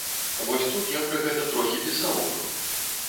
Вось тут я пра гэта трохі пісаў ужо.